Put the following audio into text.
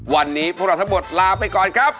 วันนี้พวกเราทั้งหมดลาไปก่อนครับ